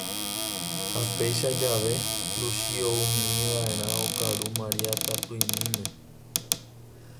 ha péichajave Luchi oúmiva'erã okaru Maria tapỹimime.